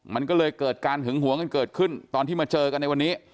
มันก็เลยเกิดการหึงหวงกันเกิดขึ้นตอนที่มาเจอกันในวันนี้